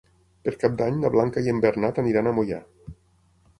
Per Cap d'Any na Blanca i en Bernat aniran a Moià.